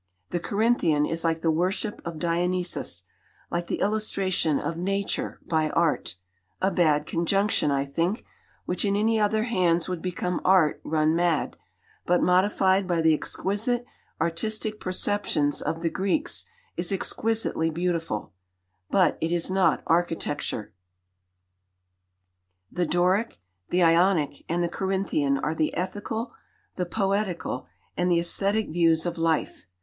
The Corinthian is like the worship of Dionysus, like the illustration of Nature by Art a bad conjunction, I think, which in any other hands would become Art run mad, but modified by the exquisite artistic perceptions of the Greeks is exquisitely beautiful, but it is not architecture. The Doric, the Ionic, and the Corinthian are the ethical, the poetical, and the aesthetic views of life.